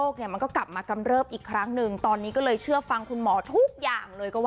ขอบคุณค่ะ